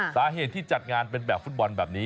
สาเหตุที่จัดงานเป็นแบบฟุตบอลแบบนี้